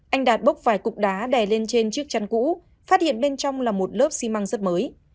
anh đạt bốc vài cục đá đè lên trên chiếc chăn cũ phát hiện bên trong là một lớp xi măng rất mới